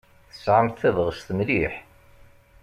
Tesɛamt tabɣest mliḥ.